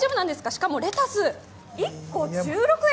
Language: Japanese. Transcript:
しかもレタス、１個１６円。